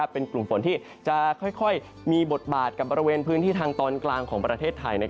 เป็นกลุ่มฝนที่จะค่อยมีบทบาทกับบริเวณพื้นที่ทางตอนกลางของประเทศไทย